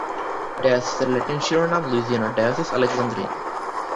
ডায়োসিসের Latin শিরোনাম লুইজিয়ানার diocese Alexandrina.